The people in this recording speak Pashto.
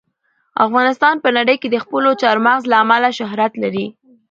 افغانستان په نړۍ کې د خپلو چار مغز له امله شهرت لري.